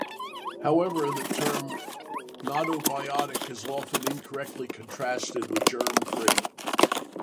However, the term "gnotobiotic" is often incorrectly contrasted with "germ-free".